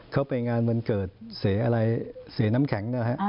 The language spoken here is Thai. เขาไปงานวันเกิดเสน้ำแข็งนะฮะ